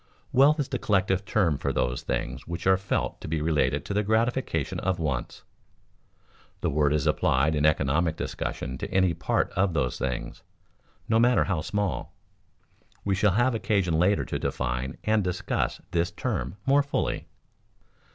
Wealth is the collective term for those things which are felt to be related to the gratification of wants. The word is applied in economic discussion to any part of those things, no matter how small. We shall have occasion later to define and discuss this term more fully.